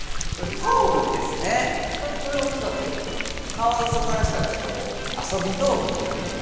カワウソからしたらちょっとこう遊びどうぐになるような。